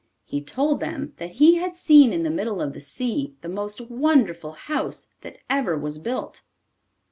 He told them that he had seen in the middle of the sea the most wonderful house that ever was built.